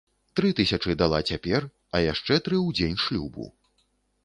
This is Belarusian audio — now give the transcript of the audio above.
Тры тысячы дала цяпер, а яшчэ тры ў дзень шлюбу.